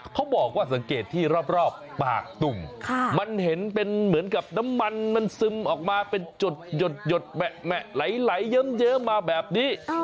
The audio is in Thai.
เขาบอกว่าสังเกตที่รอบปากตุ่มมันเห็นเป็นเหมือนกับน้ำมันมันซึมออกมาเป็นจุดหยดไหลเยิ้มมาแบบนี้